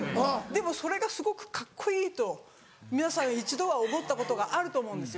でもそれがすごくカッコいいと皆さん一度は思ったことがあると思うんですよ。